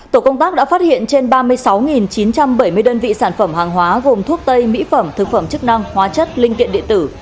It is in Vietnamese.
tổ công tác đã phát hiện trên ba mươi sáu chín trăm bảy mươi đơn vị sản phẩm hàng hóa gồm thuốc tây mỹ phẩm thực phẩm chức năng hóa chất linh kiện điện tử